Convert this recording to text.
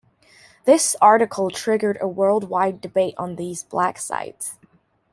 This article triggered a worldwide debate on these black sites.